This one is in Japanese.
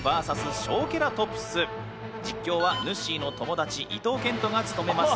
実況はぬっしーの友達伊東健人が務めます。